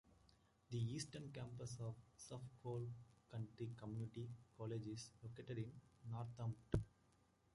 The Eastern Campus of Suffolk County Community College is located in Northampton.